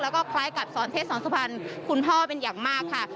แล้วก็คล้ายกับสอนเพศสอนสุพรรณคุณพ่อเป็นอย่างมากค่ะ